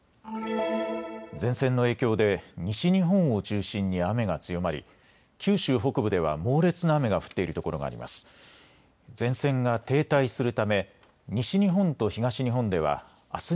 前線の影響で西日本を中心に雨が強まり九州北部では猛烈な雨が降っているところがあります。